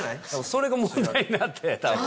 それが問題になって多分。